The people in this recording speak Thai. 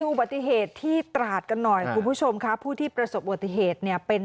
อุบัติเหตุที่ตราดกันหน่อยคุณผู้ชมค่ะผู้ที่ประสบอุบัติเหตุเนี่ยเป็น